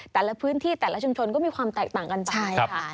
แต่ละพื้นที่แต่ละชุมชนก็มีความแตกต่างกันไป